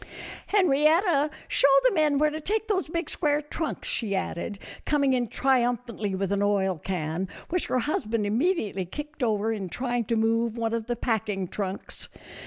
" Henrietta, show the men where to take those big square trunks," she added, coming in trium phantly with an oil can, which her husband immedi ately kicked over in trying to move one of the packing trunks.